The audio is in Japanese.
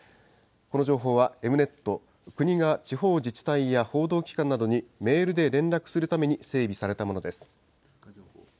この情報はＥｍ−Ｎｅｔ、国が地方自治体や報道機関などにメールで連絡するために整備されたものです。